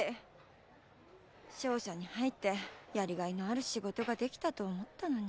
商社に入ってやりがいのある仕事ができたと思ったのに。